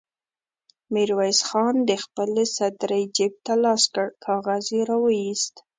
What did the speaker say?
ميرويس خان د خپلې سدرۍ جېب ته لاس کړ، کاغذ يې را وايست.